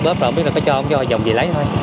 biết là có cho không cho dòng gì lấy thôi